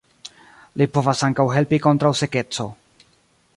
Li povas ankaŭ helpi kontraŭ sekeco.